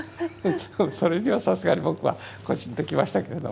それにはさすがに僕はコチンと来ましたけれども。